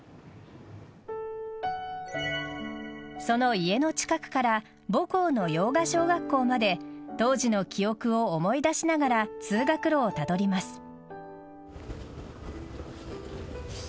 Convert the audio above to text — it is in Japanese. その家の近くから母校の用賀小学校まで当時の記憶を思い出しながら通学路をたどります。